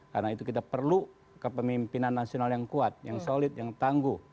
karena itu kita perlu kepemimpinan nasional yang kuat yang solid yang tangguh